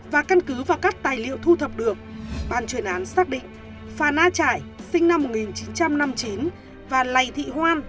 và căn cứ vào các tài liệu thu thập được bàn chuyên án xác định phan a trải sinh năm một nghìn chín trăm năm mươi chín và lầy thị hoan